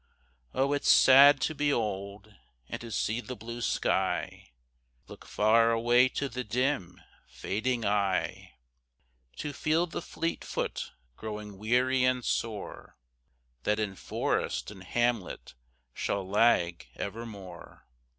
Oh, it's sad to be old, and to see the blue sky Look far away to the dim, fading eye; To feel the fleet foot growing weary and sore That in forest and hamlet shall lag evermore.